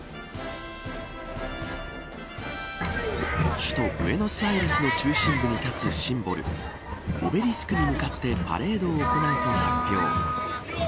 首都ブエノスアイレスの中心部に立つシンボルオベリスクに向かってパレードを行うと発表。